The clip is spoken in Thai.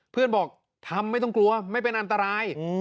เพื่อนบอกทำไม่ต้องกลัวไม่เป็นอันตราย